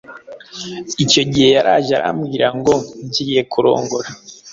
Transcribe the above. icyo gihe yaraje arambwira ngo ngiye kurongora